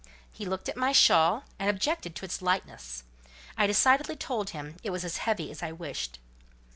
He looked at my shawl and objected to its lightness. I decidedly told him it was as heavy as I wished.